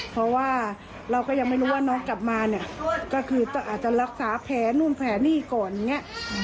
เพราะว่าเราก็ยังไม่รู้ว่าน้องกลับมาเนี่ยก็คืออาจจะรักษาแผลนู่นแผลนี่ก่อนอย่างนี้